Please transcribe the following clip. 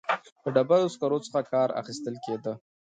د ډبرو سکرو څخه کار اخیستل کېده.